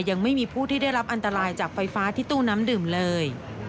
ยังไม่มีผู้ที่ได้รับอันตรายจากไฟฟ้าที่ตู้น้ำดื่มเลย